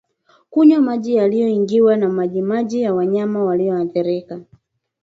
Kunywa maji yaliyoingiwa na majimaji ya wanyama walioathirika